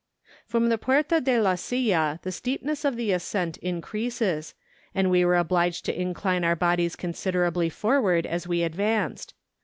From the Puerta de la Silla the steepness of the ascent increases, and we were obliged to incline our bodies considerably forward as we advanced.